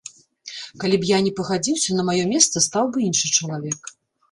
Калі б я не пагадзіўся, на маё месца стаў бы іншы чалавек.